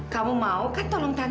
kamu mau kan tolong tanya